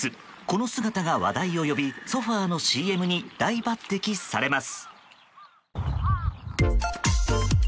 この動画が話題を呼びソファのＣＭに大抜擢されます。